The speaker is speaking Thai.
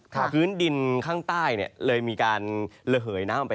กะพื้นดินข้างใต้เลยมีการเหลอเลยเข้าไป